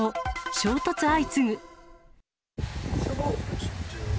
衝突相次ぐ。